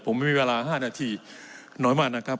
ผมไม่มีเวลา๕นาทีน้อยมากนะครับ